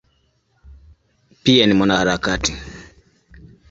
Pia ni mwanaharakati.